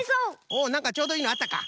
おっなんかちょうどいいのあったか？